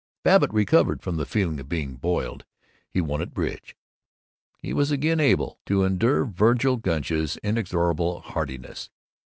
Babbitt recovered from the feeling of being boiled. He won at bridge. He was again able to endure Vergil Gunch's inexorable heartiness.